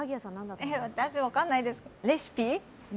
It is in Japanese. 私、分かんないです、レシピ？